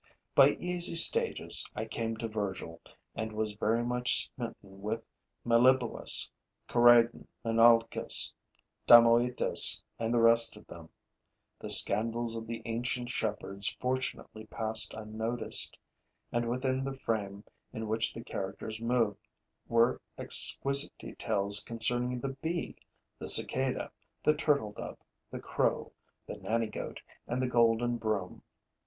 By easy stages, I came to Virgil and was very much smitten with Meliboeus, Corydon, Menalcas, Damoetas and the rest of them. The scandals of the ancient shepherds fortunately passed unnoticed; and within the frame in which the characters moved were exquisite details concerning the bee, the cicada, the turtle dove, the crow, the nanny goat and the golden broom.